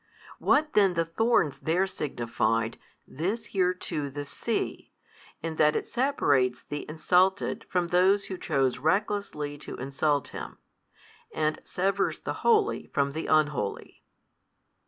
What then the thorns there signified, this here too the sea in that it separates the Insulted from those who chose recklessly to insult Him, and severs the Holy from the unholy.